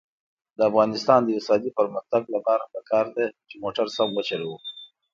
د افغانستان د اقتصادي پرمختګ لپاره پکار ده چې موټر سم وچلوو.